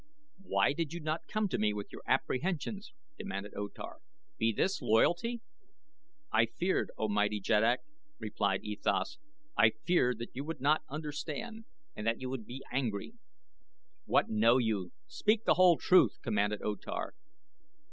"Why did you not come to me with your apprehensions?" demanded O Tar. "Be this loyalty?" "I feared, O mighty jeddak!" replied E Thas. "I feared that you would not understand and that you would be angry." "What know you? Speak the whole truth!" commanded O Tar.